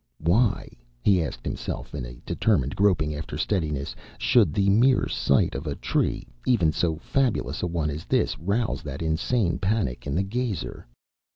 Why he asked himself in a determined groping after steadiness should the mere sight of a tree, even so fabulous a one as this, rouse that insane panic in the gazer?